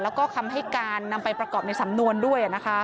แล้วก็คำให้การนำไปประกอบในสำนวนด้วย